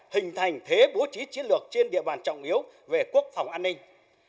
hình thành thế bố trí chiến lược trên địa bàn trọng yếu về quốc phòng an ninh